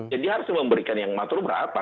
jadi harus memberikan yang matur berapa